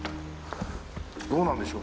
どうなんでしょう？